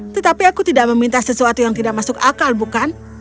tetapi aku tidak meminta sesuatu yang tidak masuk akal bukan